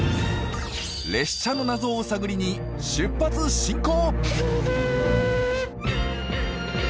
列車の謎を探りに出発進行！